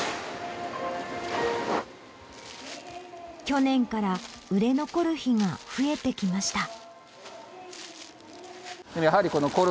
去年から売れ残る日が増えてきました。